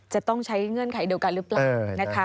จะต้องใช้เงื่อนไขเดียวกันหรือเปล่านะคะ